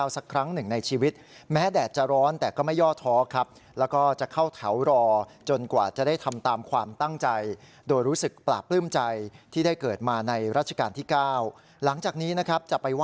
สักครั้งหนึ่งในชีวิตแม้แดดจะร้อนแต่ก็ไม่ย่อท้อครับ